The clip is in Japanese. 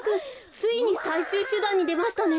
ついにさいしゅうしゅだんにでましたね。